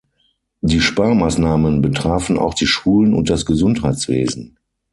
Die Sparmaßnahmen betrafen auch die Schulen und das Gesundheitswesen.